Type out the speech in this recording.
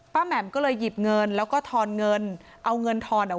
แหม่มก็เลยหยิบเงินแล้วก็ทอนเงินเอาเงินทอนอ่ะ